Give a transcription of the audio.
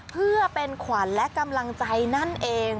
เพื่อเป็นขวัญและกำลังใจนั่นเอง